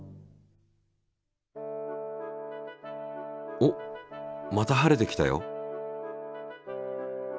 おっまた晴れてきたよ！